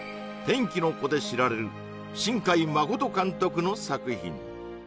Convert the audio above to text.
「天気の子」で知られる新海誠監督の作品